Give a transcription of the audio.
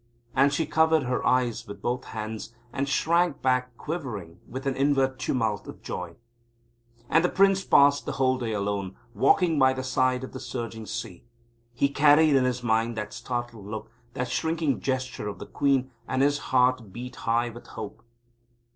And she covered her eyes with both hands, and shrank back quivering with an inward tumult of joy. And the Prince passed the whole day alone, walking by the side of the surging sea. He carried in his mind that startled look, that shrinking gesture of the Queen, and his heart beat high with hope.